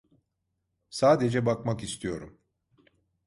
Sadece bakmak istiyorum.